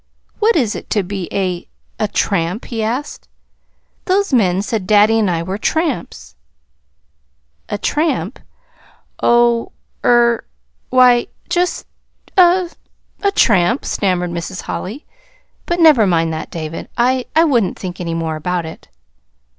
"What is it to be a a tramp?" he asked. "Those men said daddy and I were tramps." "A tramp? Oh er why, just a a tramp," stammered Mrs. Holly. "But never mind that, David. I I wouldn't think any more about it."